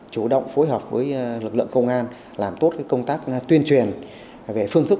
chủ động phối hợp với lực lượng công an làm tốt công tác tuyên truyền về phương thức